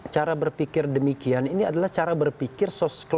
cara berpikir demikian ini adalah cara berpikir